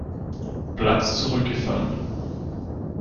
Platz zurückgefallen.